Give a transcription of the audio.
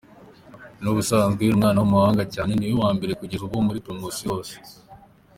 N’ubusanzwe ni umwana w’umuhanga cyane, niwe wambere kugeza ubu muri Promotion zose.